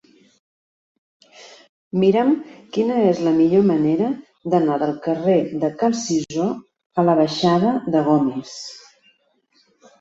Mira'm quina és la millor manera d'anar del carrer de Cal Cisó a la baixada de Gomis.